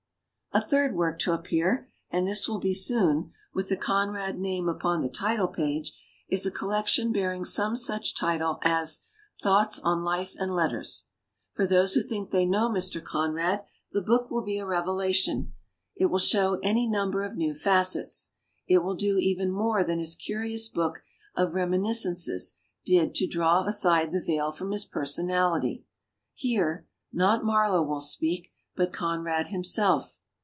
*«*« A third work to appear — and this will be soon — ^with the Conrad name upon the title page, is a collection bearing some such title as 'Thoughts on Life and Letters". For those who think they know Mr. Conrad the book will be a revelation. It will show any number of new facets. It will do even more than his curious book of remi niscences did to draw aside the veil from his personality. Here, not Mar low will speak, but Conrad himself.